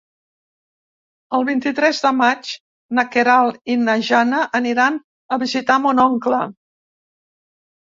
El vint-i-tres de maig na Queralt i na Jana aniran a visitar mon oncle.